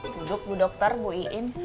duduk bu dokter bu iin